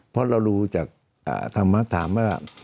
เพราะเรารู้จากธรรมถามว่า